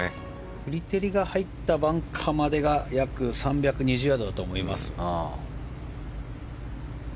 フリテリが入ったバンカーまでが約３２０ヤードだと思います。